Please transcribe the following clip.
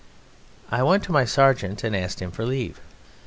I went to my Sergeant and asked him for leave.